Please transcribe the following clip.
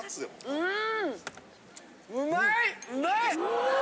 うん！